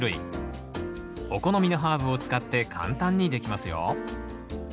お好みのハーブを使って簡単にできますよ。